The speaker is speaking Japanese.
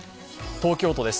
東京都です。